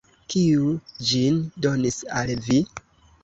Kiu ĝin donis al vi?